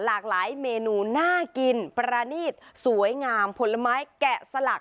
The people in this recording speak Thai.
หลากหลายเมนูน่ากินประณีตสวยงามผลไม้แกะสลัก